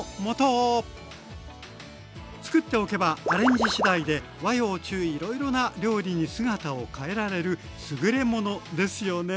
作っておけばアレンジしだいで和洋中いろいろな料理に姿を変えられる優れものですよね。